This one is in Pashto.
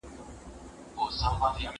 خواړه ورکړه